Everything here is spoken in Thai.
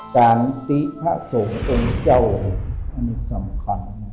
การตี้พระสงค์องค์เจ้าอันนี้สำคัญ